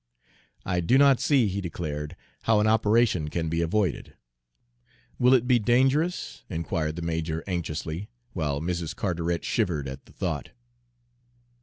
"I do not see," he declared, "how an operation can be avoided." "Will it be dangerous?" inquired the major anxiously, while Mrs. Carteret shivered at the thought.